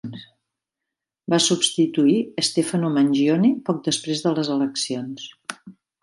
Va substituir Stefano Mangione poc després de les eleccions.